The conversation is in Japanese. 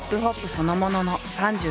そのものの３６歳。